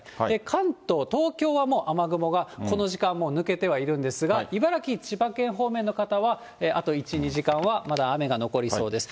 関東、東京はもう雨雲がこの時間はもう抜けてはいるんですが、茨城、千葉県方面の方はあと１、２時間はまだ雨が残りそうです。